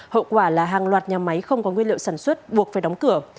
hậu quả là hàng loạt nhà máy không có nguyên liệu sản xuất buộc phải đóng cửa